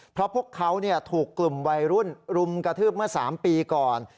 เพราะพวกเขาถูกกลุ่มวัยรุ่นรุมกระทืบเมื่อ๓ปีก่อน